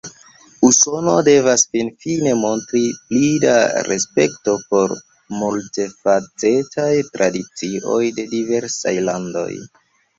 Usono devas finfine montri pli da respekto por multfacetaj tradicioj de diversaj landoj.